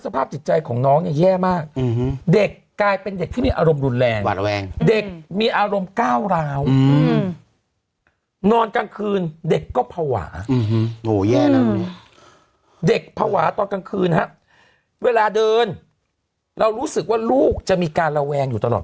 ไปเที่ยวกับแฟนใหม่เนี่ยไม้เป็นคนออกเงินใช่ไหมอันนี้คือคำถามซอบ